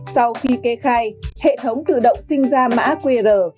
sau khi kê khai hệ thống tự động sinh ra mã qr